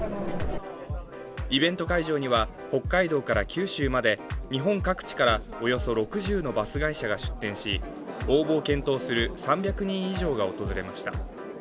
イベント会場には北海道から九州まで日本各地からおよそ６０のバス会社が出展し、応募を検討する３００人以上が訪れました。